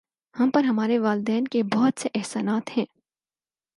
ہم پر ہمارے والدین کے بہت سے احسانات ہیں